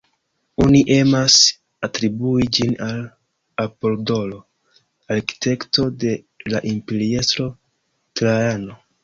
Oni emas atribui ĝin al Apolodoro, arkitekto de la imperiestro Trajano.